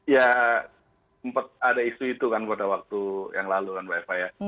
ya sempat ada isu itu kan pada waktu yang lalu kan mbak eva ya